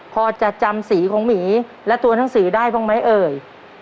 พอจะจำสีของหมีและตัวหนังสือได้บ้างไหมเอ่ย